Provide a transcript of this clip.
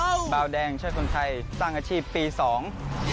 เบาแดงช่วยคนไทยสร้างอาชีพปีสอง